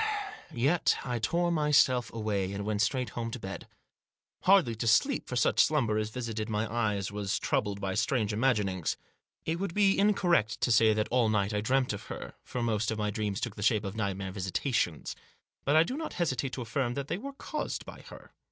Yet I tore myself away, and went straight home to bed. Hardly to sleep, for such slumber as visited my eyes was troubled by strange imaginings. It would be incorrect to say that all night I dreamed of her, for most of my dreams took the shape of nightmare visita tions ; but I do not hesitate to affirm that they were caused by her.